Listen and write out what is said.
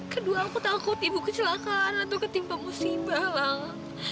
kedua aku takut ibu kecelakaan atau ketimpa musibah lah